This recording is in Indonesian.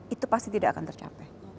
itu pasti tidak akan tercapai